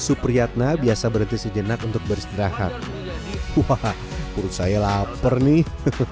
supriyatna biasa berhenti senang untuk bersederahat walaupun saya lapar nih